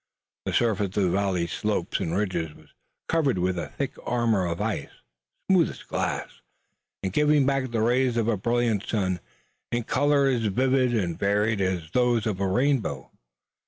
The surface of valley, slopes and ridges was covered with a thick armor of ice, smooth as glass, and giving back the rays of a brilliant sun in colors as vivid and varied as those of a rainbow.